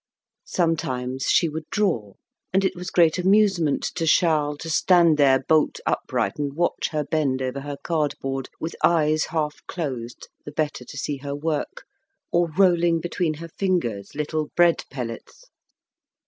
Sometimes she would draw; and it was great amusement to Charles to stand there bolt upright and watch her bend over her cardboard, with eyes half closed the better to see her work, or rolling, between her fingers, little bread pellets.